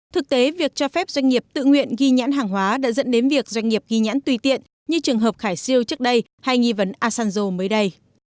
thực tế việc cho phép doanh nghiệp tự nguyện ghi nhãn hàng hóa đã dẫn đến việc doanh nghiệp ghi nhãn tùy tiện như trường hợp khải siêu trước đây hay nghi vấn asanzo mới đây